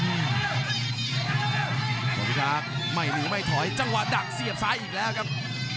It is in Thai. พิทักษ์ไม่หนีไม่ถอยจังหวะดักเสียบซ้ายอีกแล้วครับ